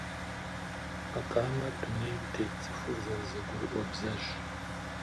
Макъамэр дунейм тет цӏыхур зэрызэгурыӏуэ бзэщ.